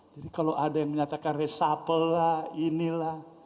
jadi kalau ada yang menyatakan reshuffle lah inilah